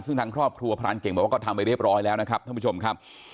ซึ่งทางครอบครัวพรานเก่งบอกว่าก็ทำไปเรียบร้อยแล้วนะครับท่านผู้ชมครับ